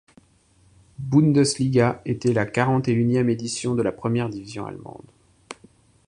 Bundesliga était la quarante-et-unième édition de la première division allemande.